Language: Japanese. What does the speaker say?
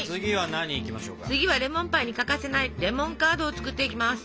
次はレモンパイに欠かせないレモンカードを作っていきます。